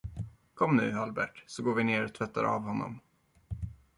Kom nu, Albert, så går vi ner och tvättar av honom!